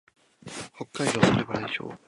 北海道猿払村